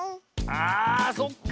あそっか。